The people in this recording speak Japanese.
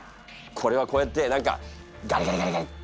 これはこうやって何かガリガリガリガリ。